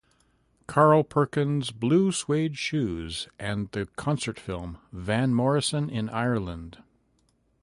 Carl Perkins' "Blue Suede Shoes" and the concert film "Van Morrison in Ireland".